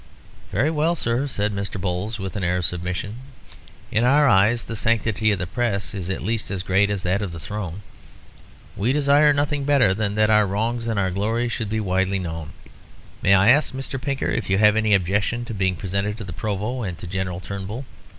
"Very well, sir," said Mr. Bowles, with an air of submission, "in our eyes the sanctity of the press is at least as great as that of the throne. We desire nothing better than that our wrongs and our glories should be widely known. May I ask, Mr. Pinker, if you have any objection to being presented to the Provost and to General Turnbull?"